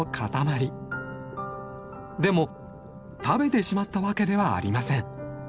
でも食べてしまったわけではありません。